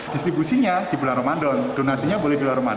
distribusinya di bulan ramadan donasinya boleh di bulan ramadan